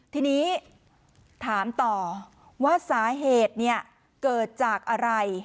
ทีนี้ถามต่อว่าสาเหตุเกิดจากอะไร